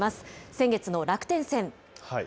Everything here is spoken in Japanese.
先月の楽天戦。